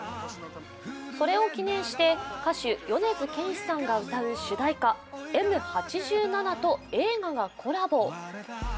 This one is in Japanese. それを記念して歌手・米津玄師さんが歌う主題歌「Ｍ八七」と映画がコラボ。